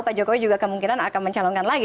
pak jokowi juga kemungkinan akan mencalonkan lagi